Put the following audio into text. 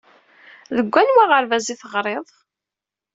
Deg anwa aɣerbaz i teɣriḍ?